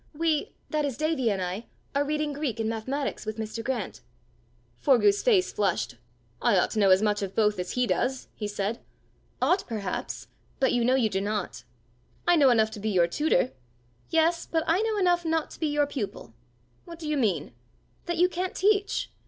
We, that is Davie and I, are reading Greek and mathematics with Mr. Grant." Forgue's face flushed. "I ought to know as much of both as he does!" he said. "Ought perhaps! But you know you do not." "I know enough to be your tutor." "Yes, but I know enough not to be your pupil!" "What do you mean?" "That you can't teach."